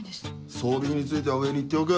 装備品については上に言っておく。